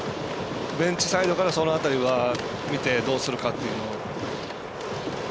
ベンチサイドからその辺りは見てどうするかっていうの。